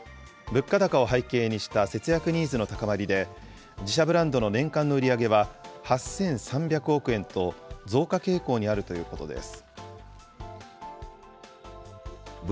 物価高を背景にした、節約ニーズの高まりで、自社ブランドの年間の売り上げは８３００億円と増加傾向にあるということです。